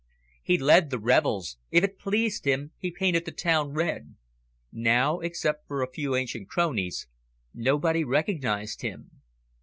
He led the revels; if it pleased him, he painted the town red. Now, except for a few ancient cronies, nobody recognised him.